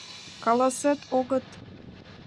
— Каласет-огыт?!.